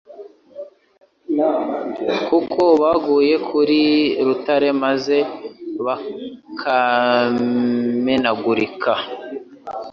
Kuko baguye kuri Rutare maze bakamenagurika.